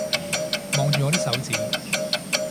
望住我啲手指